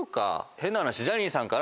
変な話ジャニーさんから。